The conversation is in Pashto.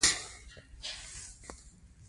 پنېر د شیدو یو خوږ بدیل دی.